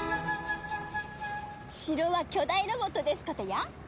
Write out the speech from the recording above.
城は巨大ロボットですことよ！